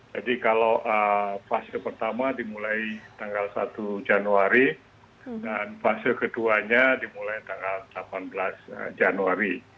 jadi kalau fase pertama dimulai tanggal satu januari dan fase keduanya dimulai tanggal delapan belas januari